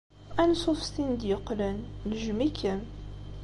Anṣuf s tin d-yeqqlen. Nejjem-ikem.